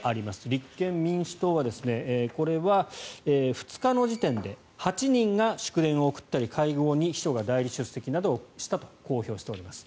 立憲民主党はこれは２日の時点で８人が祝電を送ったり会合に秘書が代理出席したなどと公表しております。